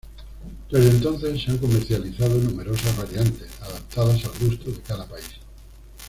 Desde entonces se han comercializado numerosas variantes, adaptadas al gusto de cada país.